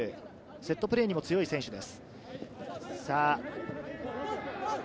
セットプレーにも強い選手です。